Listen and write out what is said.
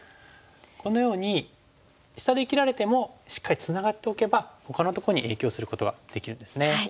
このように下で生きられてもしっかりツナがっておけばほかのとこに影響することができるんですね。